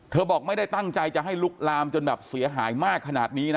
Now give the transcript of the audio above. บอกไม่ได้ตั้งใจจะให้ลุกลามจนแบบเสียหายมากขนาดนี้นะ